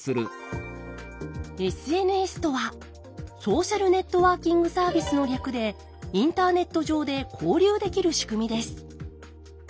ＳＮＳとは「ソーシャルネットワーキングサービス」の略でインターネット上で交流できる仕組みです。